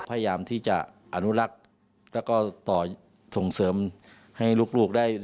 พยายามที่จะอนุรักษ์แล้วก็ต่อส่งเสริมให้ลูกได้